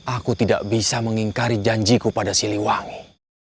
aku tidak bisa mengingkari janjiku pada siliwangi